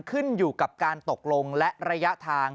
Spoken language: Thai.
ขึ้นอยู่กับการตกลงและระยะทาง